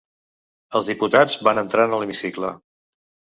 Els diputats van entrant a l’hemicicle.